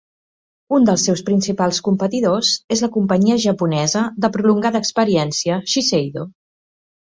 Un dels seus principals competidors és la companyia japonesa de prolongada experiència Shiseido.